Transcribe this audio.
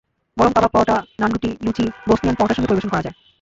গরম কাবাব পরটা, নানরুটি, লুচি, বসনিয়ান পরটার সঙ্গে পরিবেশন করা যায়।